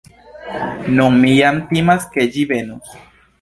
Nun mi jam timas ke ĝi venos.